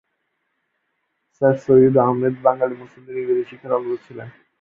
Sir Syed Ahmed বাঙালি মুসলিমদের ইংরেজি শিক্ষার অগ্রদূত ছিলেন।